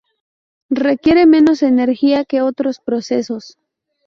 Requiere menos energía que otros procesos.